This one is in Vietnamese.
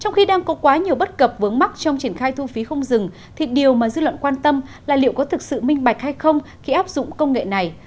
trong khi đang có quá nhiều bất cập vướng mắc trong triển khai thu phí không dừng thì điều mà dư luận quan tâm là liệu có thực sự minh bạch hay không khi áp dụng công nghệ này